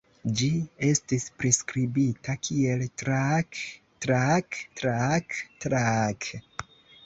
Ĝi estis priskribita kiel "kraak-kraak-kraak-kraak".